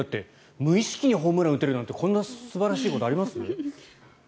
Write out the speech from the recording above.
無意識にホームランを打てるというこんな素晴らしいことあります？